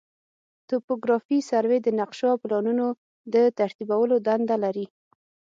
توپوګرافي سروې د نقشو او پلانونو د ترتیبولو دنده لري